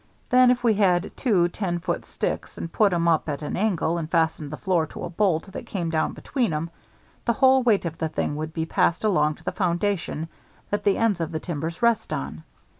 Then if we had two ten foot sticks and put 'em up at an angle and fastened the floor to a bolt that came down between 'em, the whole weight of the thing would be passed along to the foundation that the ends of the timbers rest on.